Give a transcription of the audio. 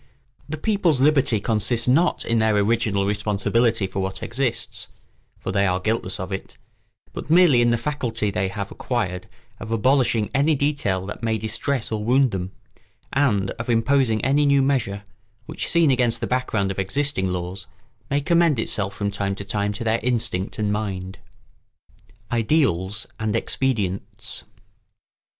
The people's liberty consists not in their original responsibility for what exists—for they are guiltless of it—but merely in the faculty they have acquired of abolishing any detail that may distress or wound them, and of imposing any new measure, which, seen against the background of existing laws, may commend itself from time to time to their instinct and mind. [Sidenote: Ideals and expedients.